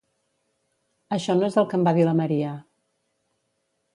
Això no és el que em va dir la Maria.